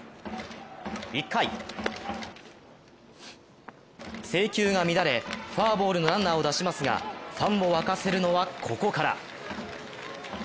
１回、制球が乱れフォアボールのランナーを出しますがファンを沸かせるのはここから。